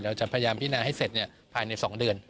เราจะพยายามพินาให้เสร็จภายใน๒เดือน